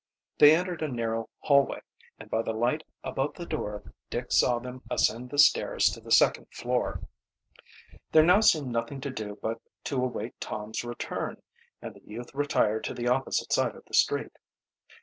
They entered a narrow hallway, and by the light above the door Dick saw them ascend the stairs to the second floor. There now seemed nothing to do but to await Tom's return, and the youth retired to the opposite side of the street.